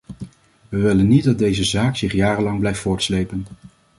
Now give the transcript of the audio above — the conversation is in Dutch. We willen niet dat deze zaak zich jarenlang blijft voortslepen.